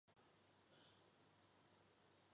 施瓦尔岑布鲁克是德国巴伐利亚州的一个市镇。